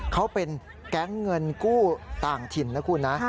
เขาเป็นแก๊งเงินกู้ต่างถิ่นนะคุณนะ